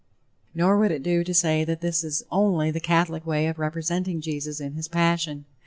Nor would it do to say that this is only the Catholic way of representing Jesus in his passion.